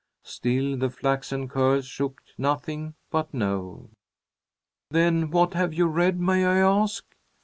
Still the flaxen curls shook nothing but no. "Then what have you read, may I ask?"